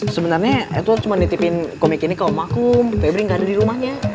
sebenarnya edward cuma ditipin komik ini ke omakum febri gak ada dirumahnya